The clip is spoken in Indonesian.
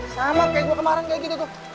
sama kayak gue kemarin kayak gitu tuh